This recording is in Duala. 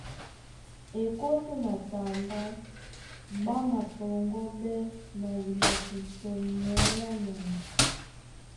Ekótó na tambá ɓá mapɔŋgɔ́ɓɛ́ na diɓato tɔ na nyɔ̌ á nyama.